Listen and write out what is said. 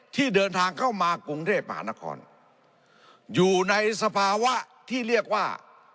ที่เดินทางเข้ามากรุงเทพมหานครอยู่ในสภาวะที่เรียกว่า